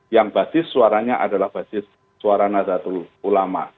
yang basis suaranya adalah basis suara nazatul ulama